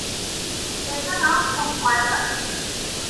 এজন্য খুব ভয় পাচ্ছি।